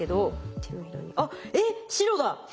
あっえっ白だ。